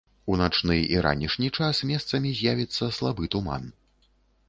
У начны і ранішні час месцамі з'явіцца слабы туман.